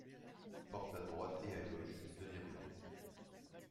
Portes à droite et à gauche, deuxième plan.